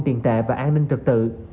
tiền tệ và an ninh trực tự